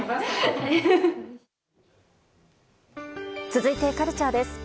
続いて、カルチャーです。